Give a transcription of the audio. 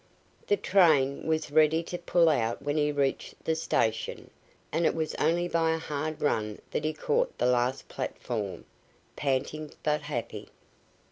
The train was ready to pull out when he reached the station, and it was only by a hard run that he caught the last platform, panting but happy.